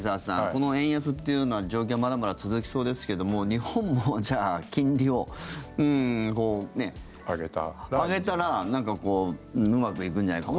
この円安というのは状況、まだまだ続きそうですけど日本もじゃあ、金利を上げたらうまくいくんじゃないか。